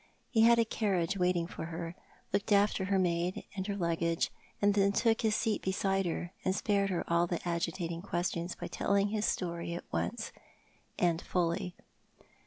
He had a carriage waiting for her, looked after her maid and her luggage, and then took his seat beside her, and spared her all agitating questions by telling his story at once, and fully.